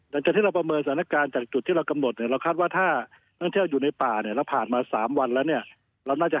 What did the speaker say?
หลังจากที่เราประเมินสถานการณ์จากจุดที่เรากำหนดเนี่ยเราคาดว่าถ้านักท่องเที่ยวอยู่ในป่าเนี่ยเราผ่านมา๓วันแล้วเนี่ยเราน่าจะ